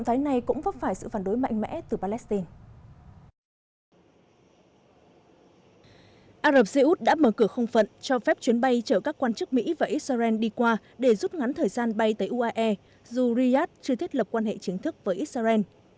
mỹ đã mở cửa không phận cho phép chuyến bay chở các quan chức mỹ và israel đi qua để giúp ngắn thời gian bay tới uae dù riyadh chưa thiết lập quan hệ chính thức với israel